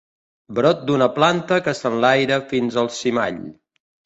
Brot d'una planta que s'enlaira fins al cimall.